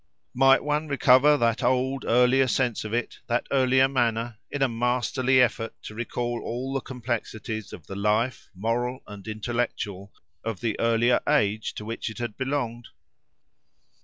Might one recover that old, earlier sense of it, that earlier manner, in a masterly effort to recall all the complexities of the life, moral and intellectual, of the earlier age to which it had belonged?